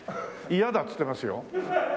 嫌だっつってますよ。